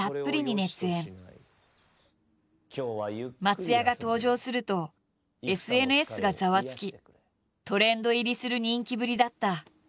松也が登場するとＳＮＳがざわつきトレンド入りする人気ぶりだった。